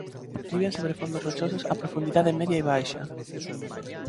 Viven sobre fondos rochosos a profundidade media e baixa.